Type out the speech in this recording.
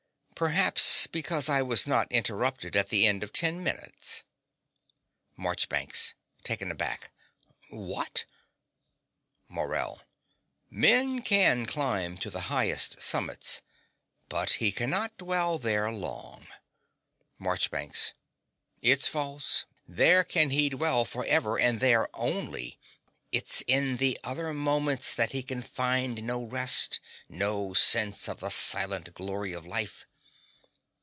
Perhaps because I was not interrupted at the end of ten minutes. MARCHBANKS (taken aback). What! MORELL. Man can climb to the highest summits; but he cannot dwell there long. MARCHBANKS. It's false: there can he dwell for ever and there only. It's in the other moments that he can find no rest, no sense of the silent glory of life.